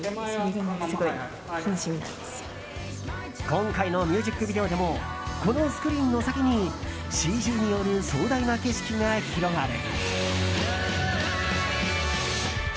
今回のミュージックビデオでもこのスクリーンの先にＣＧによる壮大な景色が広がる。